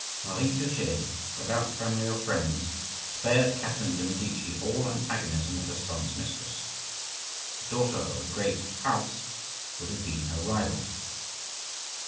Marie Touchet, without family or friends, spared Catherine de' Medici all antagonism with her son's mistress; the daughter of a great house would have been her rival.